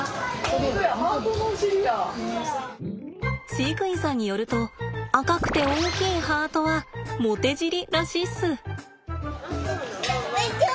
飼育員さんによると赤くて大きいハートはモテ尻らしいっす。